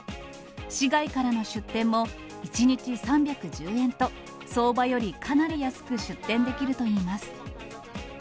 市外からの出店も１日３１０円と、相場よりかなり安く出店できるといいます。